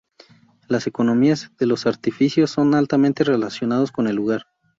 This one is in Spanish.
Las economías de los artificios son altamente relacionados con el lugar.